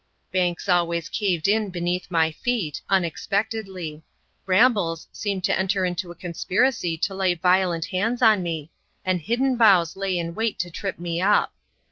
Banks always caved in beneath my feet, unexpectedly. Brambles seemed to enter into a conspiracy to lay violent hands on me, and hidden boughs lay in wait to trip me up.